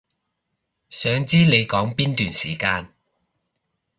想知你講邊段時間